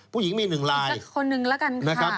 ผู้หญิงมี๑ลายนะครับอีกสักคนนึงแล้วกัน